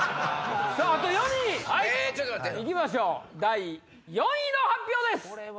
さぁあと４人いきましょう第４位の発表です。